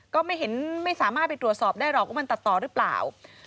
ก็ไม่เห็นไม่สามารถไปตรวจสอบได้หรอกว่ามันตัดต่อหรือเปล่า